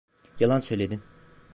Yalan söyledin.